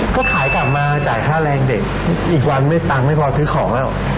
ก็ขายกลับมาจ่ายค่าแรงเด็กอีกวันไม่ตังค์ไม่พอซื้อของแล้ว